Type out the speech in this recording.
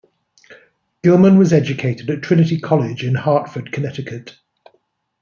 Gilman was educated at Trinity College in Hartford, Connecticut.